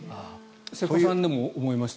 瀬古さんでも思いました？